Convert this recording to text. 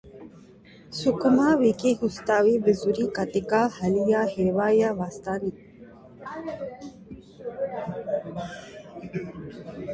Sukuma wiki hustawi vizuri katika hali ya hewa ya wastani,